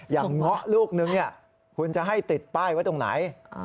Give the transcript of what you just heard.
เงาะลูกนึงคุณจะให้ติดป้ายไว้ตรงไหน